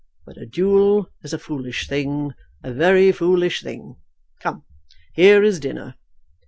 But a duel is a foolish thing, a very foolish thing. Come; here is dinner."